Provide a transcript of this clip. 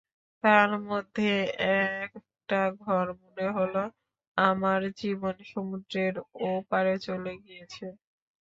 তার মধ্যে একটা ঘর মনে হল আমার জীবন-সমুদ্রের ও পারে চলে গিয়েছে।